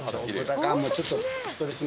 ちょっと。